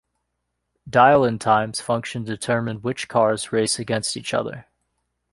Dial-in times function to determine which cars race against each other.